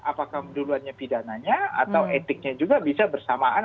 apakah duluan pidana atau etiknya juga bisa bersamaan